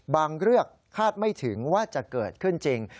เรื่องคาดไม่ถึงว่าจะเกิดขึ้นจริง